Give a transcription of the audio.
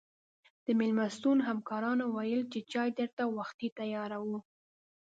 د مېلمستون همکارانو ویل چې چای درته وختي تیاروو.